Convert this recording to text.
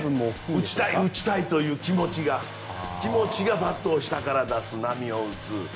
打ちたい、打ちたいという気持ちがバットを下から出す波を打つ。